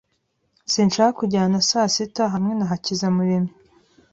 Sinshaka kujyana na sasita hamwe na Hakizamuremyi